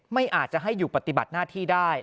ไม่อาจจะให้อยู่ปฏิบัติหน้าที่ได้